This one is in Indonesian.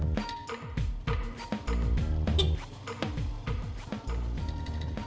fikirnya sama sekali